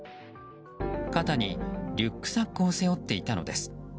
肩にリュックサックを背負っていたのです。